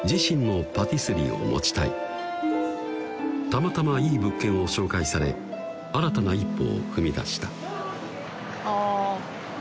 たまたまいい物件を紹介され新たな一歩を踏み出したあぁ